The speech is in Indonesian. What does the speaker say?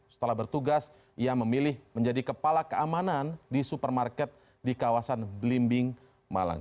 setelah bertugas ia memilih menjadi kepala keamanan di supermarket di kawasan blimbing malang